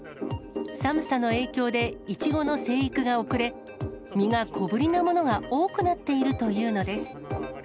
寒さの影響で、イチゴの生育が遅れ、実が小ぶりなものが多くなっているというのです。